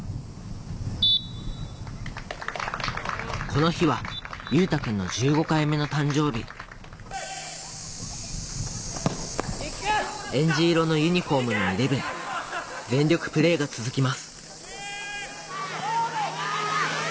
この日は優太くんの１５回目の誕生日えんじ色のユニホームのイレブン全力プレーが続きます